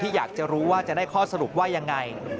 อยากจะรู้ว่าจะได้ข้อสรุปว่ายังไง